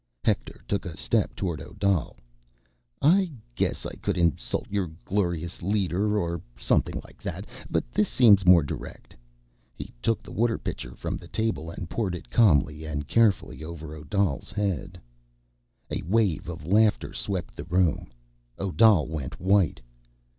Hector took a step toward Odal. "I guess I could insult your glorious leader, or something like that ... but this seems more direct." He took the water pitcher from the table and poured it calmly and carefully over Odal's head. A wave of laughter swept the room. Odal went white.